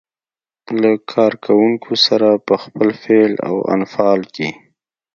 له کار کوونکو سره په خپل فعل او انفعال کې.